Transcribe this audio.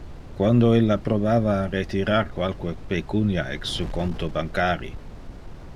Quando illa probava a retirar qualque pecunia ex su conto bancari